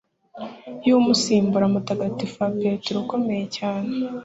y'umusimbura mutagatifu wa Petero ukomeye cyane